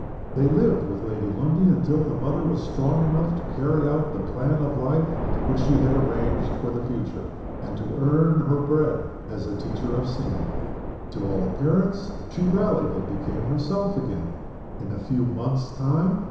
They lived with Lady Lundie until the mother was strong enough to carry out the plan of life which she had arranged for the future, and to earn her bread as a teacher of singing. To all appearance she rallied, and became herself again, in a few months' time.